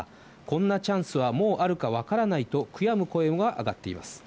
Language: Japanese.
こんなチャンスはもうあるかわからないと悔やむ声が上がっています。